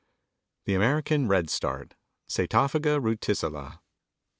] THE AMERICAN REDSTART. (_Setophaga ruticilla.